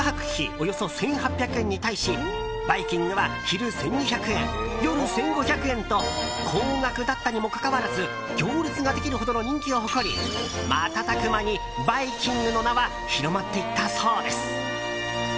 およそ１８００円に対しバイキングは昼１２００円夜１５００円と高額だったにもかかわらず行列ができるほどの人気を誇り瞬く間に、バイキングの名は広まっていったそうです。